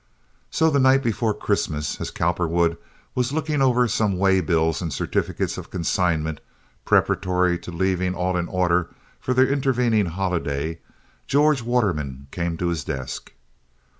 So the night before Christmas, as Cowperwood was looking over some way bills and certificates of consignment preparatory to leaving all in order for the intervening holiday, George Waterman came to his desk.